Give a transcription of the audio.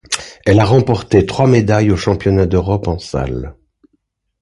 Elle a remporté trois médailles aux championnats d'Europe en salle.